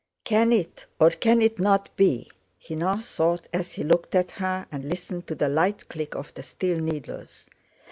"Can it or can it not be?" he now thought as he looked at her and listened to the light click of the steel needles.